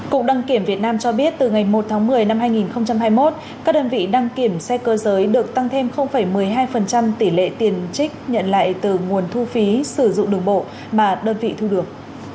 cục đăng kiểm việt nam cho biết từ ngày một tháng một mươi năm hai nghìn hai mươi một các đơn vị đăng kiểm xe cơ giới được tăng thêm một mươi hai tỷ lệ tiền trích nhận lại từ nguồn thu phí sử dụng đường bộ mà đơn vị thu được